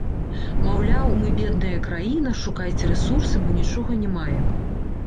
Маўляў, мы бедная краіна, шукайце рэсурсы, бо нічога не маем.